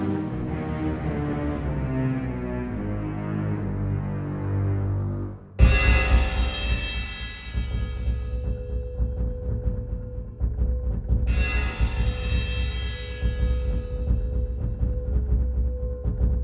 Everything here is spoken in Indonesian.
ibu orangk station